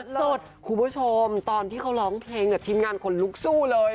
สุดคุณผู้ชมตอนที่เขาร้องเพลงทีมงานขนลุกสู้เลย